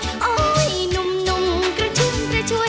หนุ่มหนุ่มกระชุดกระชวน